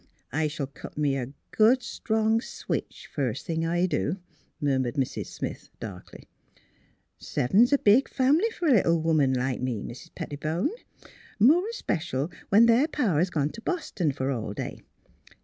'' I shall cut me a good strong switch, first thing I do," murmured Mrs. Smith, darkly. '' Seven's a big fam'ly for a little woman like me, Mis' Pet tibone; more especial when their pa has gone to Boston for all day.